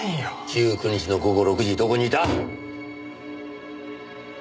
１９日の午後６時どこにいた？